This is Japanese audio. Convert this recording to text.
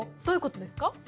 どういうことですか？